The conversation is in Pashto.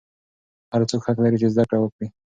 هر څوک حق لري چې زده کړې وکړي.